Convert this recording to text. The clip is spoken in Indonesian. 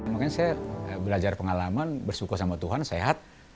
makanya saya belajar pengalaman bersyukur sama tuhan sehat